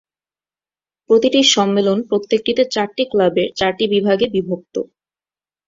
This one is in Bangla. প্রতিটি সম্মেলন প্রত্যেকটিতে চারটি ক্লাবের চারটি বিভাগে বিভক্ত।